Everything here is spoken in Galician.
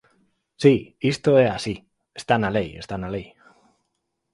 Si, isto é así, está na lei, está na lei.